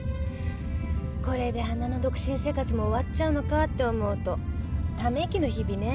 これで花の独身生活も終わっちゃうのかって思うとため息の日々ね。